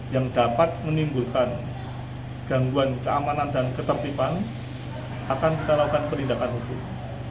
yang dapat menimbulkan gangguan keamanan dan ketertiban akan kita lakukan penindakan hukum